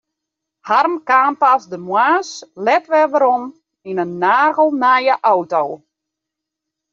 Harm kaam pas de moarns let wer werom yn in nagelnije auto.